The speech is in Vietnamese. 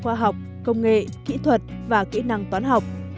các môn học khoa học công nghệ kỹ thuật và kỹ năng toán học